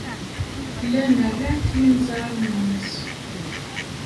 Llan ran-t yimezrawen-nnes.